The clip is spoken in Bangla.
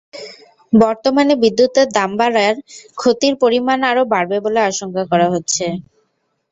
বর্তমানে বিদ্যুতের দাম বাড়ায় ক্ষতির পরিমাণ আরও বাড়বে বলে আশঙ্কা করা হচ্ছে।